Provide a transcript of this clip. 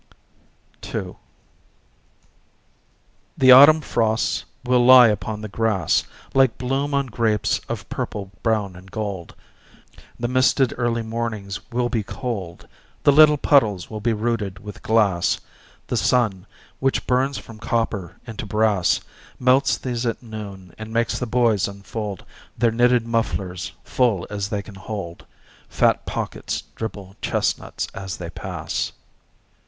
2 The autumn frosts will lie upon the grass Like bloom on grapes of purple brown and gold. The misted early mornings will be cold; The little puddles will be roofed with glass. The sun, which burns from copper into brass, Melts these at noon, and makes the boys unfold Their knitted mufflers; full as they can hold, Fat pockets dribble chestnuts as they pass.